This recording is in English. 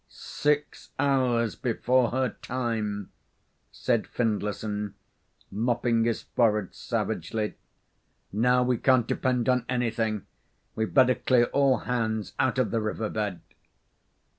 "Six hours before her time," said Findlayson, mopping his forehead savagely. "Now we can't depend on anything. We'd better clear all hands out of the riverbed."